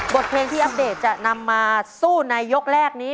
บทเพลงที่อัปเดตจะนำมาสู้ในยกแรกนี้